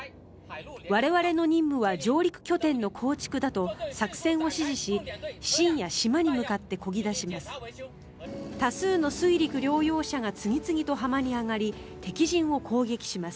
我々の任務は上陸拠点の構築だと作戦を指示し深夜、島に向かってこぎ出します。